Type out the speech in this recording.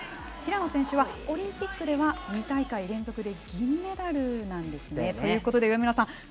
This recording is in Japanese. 平野選手はオリンピックでは２大会連続で銀メダルなんですね。ということで上村さん